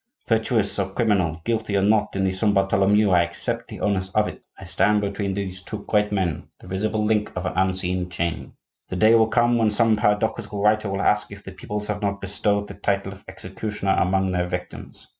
Virtuous or criminal, guilty or not in the Saint Bartholomew, I accept the onus of it; I stand between those two great men,—the visible link of an unseen chain. The day will come when some paradoxical writer will ask if the peoples have not bestowed the title of executioner among their victims.